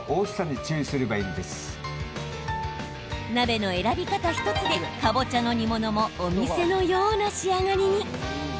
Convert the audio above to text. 鍋の選び方１つで、かぼちゃの煮物もお店のような仕上がりに。